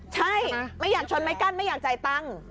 ใช่ไม่อยากชนไม้กั้นไม่อยากจ่ายตังค์